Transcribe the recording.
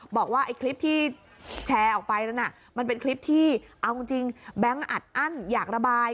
บอกว่าไอ้คลิปที่แชร์ออกไปนั้นมันเป็นคลิปที่เอาจริงแบงค์อัดอั้นอยากระบาย